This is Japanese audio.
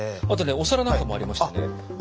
あとねお皿なんかもありましてね。